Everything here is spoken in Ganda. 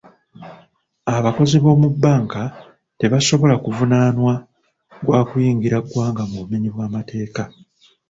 Abakozi b'omu bbanka tebasobola kuvunaanwa gwa kuyingira ggwanga mu bumenyi bw'amateeka.